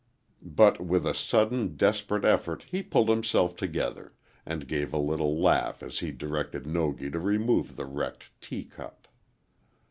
But with a sudden, desperate effort he pulled himself together, and gave a little laugh, as he directed Nogi to remove the wrecked teacup.